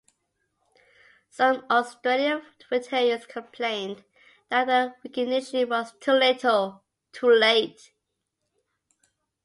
Some Australian veterans complained that the recognition was too little, too late.